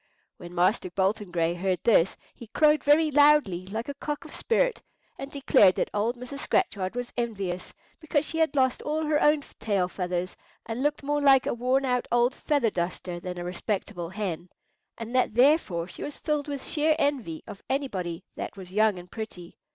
When Master Bolton Gray heard this he crowed very loudly, like a cock of spirit, and declared that old Mrs. Scratchard was envious, because she had lost all her own tail feathers, and looked more like a worn out old feather duster than a respectable hen, and that therefore she was filled with sheer envy of anybody that was young and pretty.